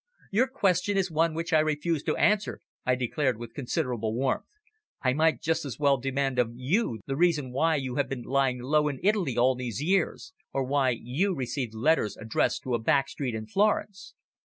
"Your question is one which I refuse to answer," I declared with considerable warmth. "I might just as well demand of you the reason why you have been lying low in Italy all these years, or why you received letters addressed to a back street in Florence."